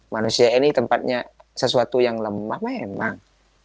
manusia ini tempatnya sesuatu yang lemah memang